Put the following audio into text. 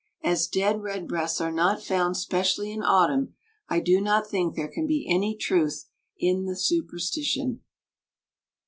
As dead redbreasts are not found specially in autumn, I do not think there can be any truth in the superstition.